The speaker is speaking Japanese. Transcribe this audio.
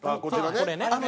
こちらね。